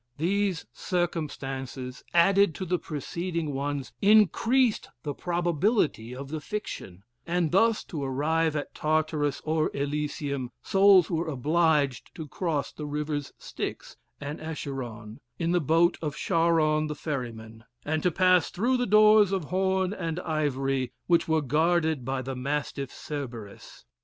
These circumstances, added to the preceding ones, increased the probability of the fiction; and thus to arrive at Tartarus or Elysium, souls were obliged to cross the rivers Styx and Acheron, in the boat of Charon the ferryman, and to pass through the doors of horn and ivory, which were guarded by the mastiff Cerberus.